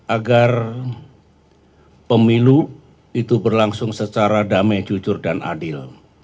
agar pemilu itu berlangsung secara damai jujur dan adil